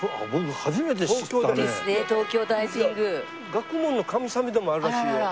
学問の神様でもあるらしいよ。